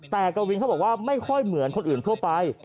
แต่กวินเขาบอกว่าไม่ค่อยเหมือนคนอื่นทั่วไป